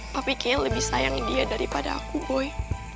tapi kayaknya lebih sayang dia daripada aku boy